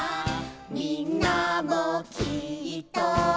「みんなもきっと」